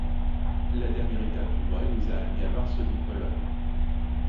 La dernière étape du vol les a amenés à Varsovie, Pologne.